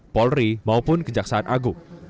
polri maupun kejaksaan agung